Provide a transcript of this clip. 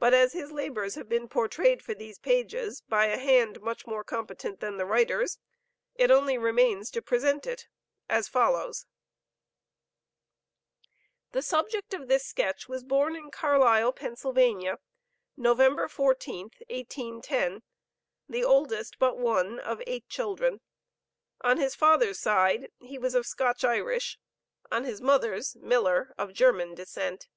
But as his labors have been portrayed for these pages, by a hand much more competent than the writer's, it only remains to present it as follows: The subject of this sketch was born in Carlisle, Pennsylvania, November 14, 1810, the oldest but one of eight children. On his father's side, he was of Scotch Irish, on his mother's (Miller) of German descent.